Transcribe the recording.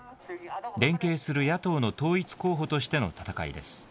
連携する野党の統一候補としての戦いです。